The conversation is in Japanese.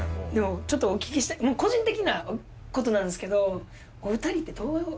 ちょっとお聞きしたい個人的な事なんですけど。